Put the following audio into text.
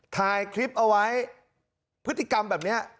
ถ่ายคลิปเอาไว้พฤติกรรมแบบนี้